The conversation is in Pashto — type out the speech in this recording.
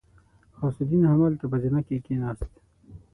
غوث الدين همالته په زينه کې کېناست.